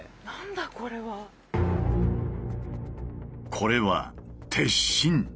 これは鉄心。